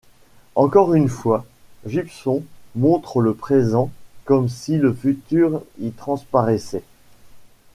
Encore une fois Gibson montre le présent comme si le futur y transparaissait.